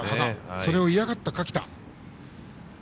それを嫌がった垣田。